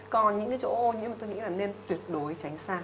còn những cái chỗ ô nhiễm mà tôi nghĩ là nên tuyệt đối tránh xa